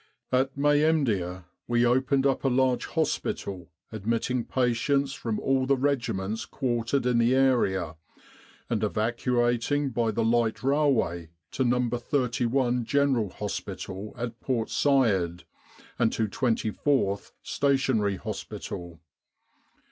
"At Mehemdia we opened up a large hospital admitting patients from all the regiments quartered in the area, and evacuating by the light railway to No. 31 General Hospital at Port Said, and to 24th Stationary Hospital.